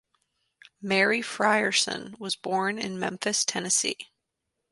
Mary Frierson was born in Memphis, Tennessee.